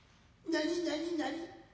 何何何。